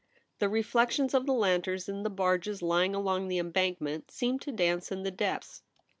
The reflec tions of the lanterns in the barges lying along the embankment seemed to dance in the depths.